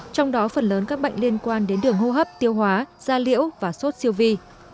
trong đó phần lớn các bệnh liên quan đến đường hô hấp tiêu hóa da liễu và sốt siêu vi